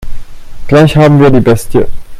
Gleich haben wir die Bestie.